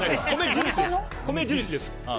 米印です。